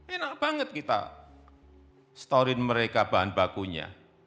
enak banget kita store in mereka bahan bakunya